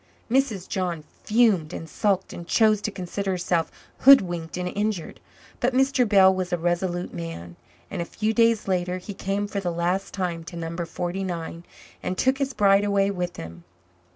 Mrs. John fumed and sulked and chose to consider herself hoodwinked and injured. But Mr. Bell was a resolute man, and a few days later he came for the last time to No. 49 and took his bride away with him.